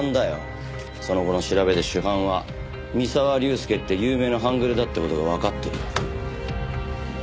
その後の調べで主犯は三沢龍介って有名な半グレだって事がわかってる。